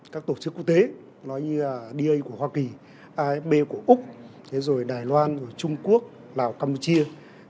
các tổ chức quốc tế nói như da của hoa kỳ imb của úc rồi đài loan của trung quốc lào campuchia